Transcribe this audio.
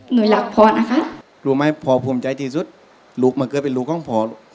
หนูรักพ่อนะคะรู้ไหมพ่อภูมิใจที่สุดลูกมันเคยเป็นลูกของพ่อ